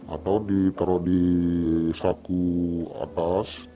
atau ditaruh di saku atas